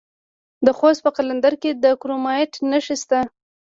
د خوست په قلندر کې د کرومایټ نښې شته.